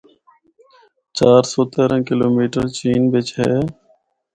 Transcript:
چار سو تیرہ کلومیٹر چین بچ ہے۔